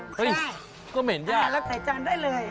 ใช่ก็เหม็นจ้ะเอ้ยแล้วใส่จานได้เลย